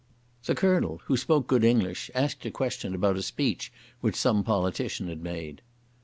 The Colonel, who spoke good English, asked a question about a speech which some politician had made.